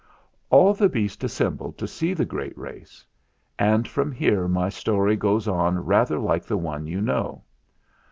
"All the beasts assembled to see the great race; and from here my story goes on rather like the one you know.